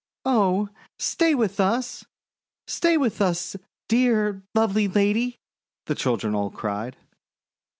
"Oh, stay with us! Stay with us, dear, lovely lady!' the children all cried.